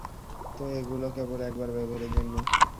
তো, এগুলো কেবল একবার ব্যবহারের জন্য।